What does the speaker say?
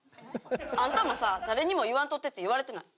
あんたもさ「誰にも言わんとって」って言われてない？